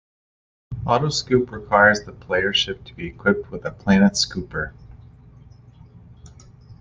Autoscoop requires the player's ship to be equipped with a Planet Scooper.